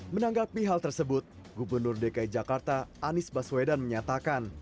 menanggapi hal tersebut gubernur dki jakarta anies baswedan menyatakan